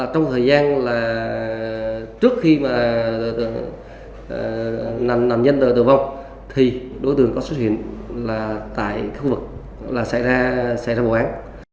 trong thời gian trước khi nạn nhân tử tử vong đối tượng có xuất hiện tại khu vực xảy ra bộ án